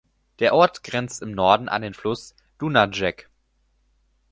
Der Ort grenzt im Norden an den Fluss Dunajec.